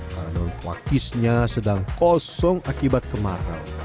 karena daun pakisnya sedang kosong akibat kemarau